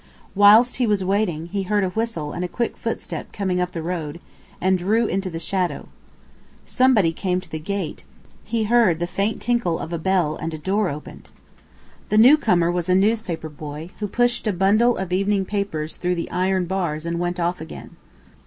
Whilst he was waiting, he heard a whistle and a quick footstep coming up the road, and drew into the shadow. Somebody came to the gate; he heard the faint tinkle of a bell and a door opened. The new comer was a newspaper boy, who pushed a bundle of evening papers through the iron bars and went off again.